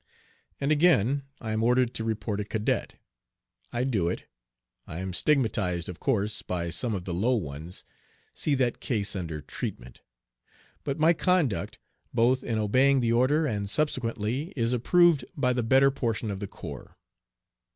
And again, I am ordered to report a cadet. I do it. I am stigmatized, of course, by some of the low ones (see that case under "Treatment"); but my conduct, both in obeying the order and subsequently, is approved by the better portion of the corps.